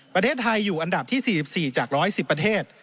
ประเทศไทยอยู่อันดับที่๔๔จาก๑๑๐ประเทศ